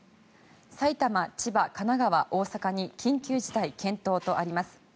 埼玉、千葉、神奈川、大阪に緊急事態、検討とあります。